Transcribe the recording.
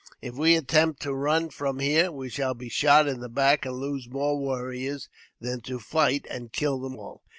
If we attempt to run from here, we shall be shot in the back, and lose more warriors than to fight and kill them all.